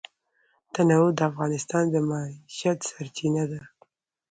تنوع د افغانانو د معیشت سرچینه ده.